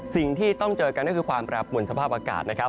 สิ่งที่ต้องเจอกันก็คือความแปรปวนสภาพอากาศนะครับ